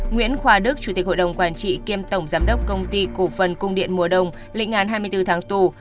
nguyễn khoa đức chủ tịch hội đồng quản trị kiêm tổng giám đốc công ty cổ phần cung điện mùa đông lịnh án hai mươi bốn tháng tù